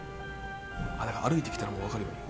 だから歩いてきたらわかるように。